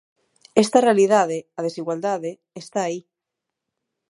Esta realidade, a desigualdade, está aí.